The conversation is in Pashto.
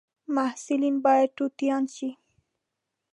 محصلین باید توتیان شي